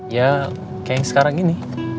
ya kayak sekarang ini